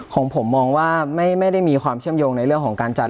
ของผมมองว่าไม่ได้มีความเชื่อมโยงในเรื่องของการจัด